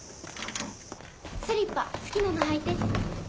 スリッパ好きなの履いて。